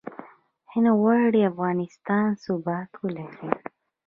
هند غواړي افغانستان ثبات ولري.